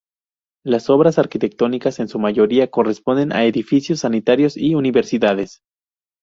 Las obras arquitectónicas en su mayoría corresponden a edificios sanitarios y universidades.